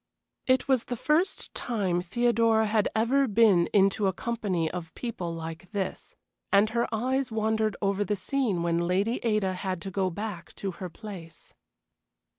It was the first time Theodora had ever been into a company of people like this, and her eyes wandered over the scene when Lady Ada had to go back to her place.